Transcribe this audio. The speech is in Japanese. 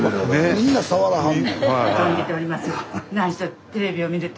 みんな触らはんねん。